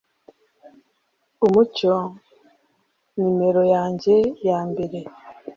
umucyo numero yanjye ya mbere